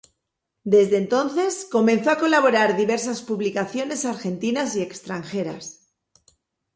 Desde entonces comenzó a colaborar en diversas publicaciones argentinas y extranjeras.